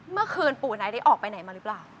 เมื่อคืนปู่นายได้ออกไปไหนมารึเปล่า